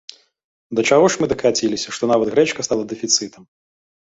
Да чаго ж мы дакаціліся, што нават грэчка стала дэфіцытам?